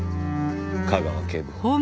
架川警部補。